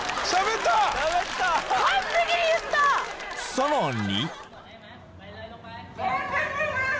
［さらに］